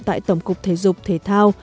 tại tổng cục thể dục thể thao